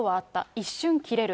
一瞬切れる。